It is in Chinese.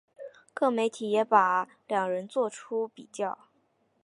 各媒体也有把两人作出比较。